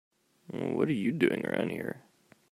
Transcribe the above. What are you doing around here?